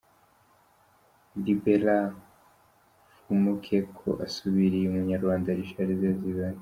Liberat Mpfumukeko asubiriye umunyarwanda Richard Sezibera.